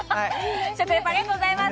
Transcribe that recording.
食レポありがとうございます。